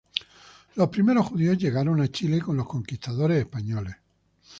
Los primeros judíos llegaron a Chile con los conquistadores españoles.